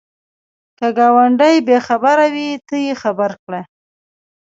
که ګاونډی بې خبره وي، ته یې خبر کړه